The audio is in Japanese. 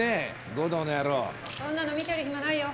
護道の野郎そんなの見てる暇ないよ